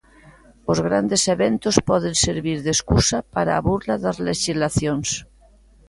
Os grandes eventos poden servir de escusa para a burla das lexislacións.